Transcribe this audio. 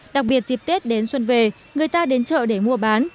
đặc biệt dịp tết đến xuân về người ta đến chợ để mua bán